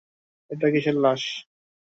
এটা কিসের লাশ?